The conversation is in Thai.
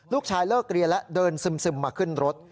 ลูกชายเลิกเรียนแล้วเดินซึมมาขึ้นรถ